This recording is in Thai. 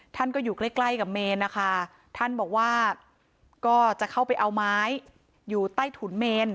ท่านก็อยู่ใกล้ใกล้กับเมนนะคะท่านบอกว่าก็จะเข้าไปเอาไม้อยู่ใต้ถุนเมน